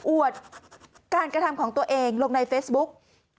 วดการกระทำของตัวเองลงในเฟซบุ๊ก